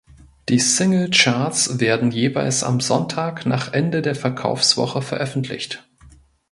Die Singlecharts werden jeweils am Sonntag nach Ende der Verkaufswoche veröffentlicht.